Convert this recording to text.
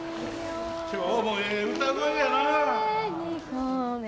今日もええ歌声やな。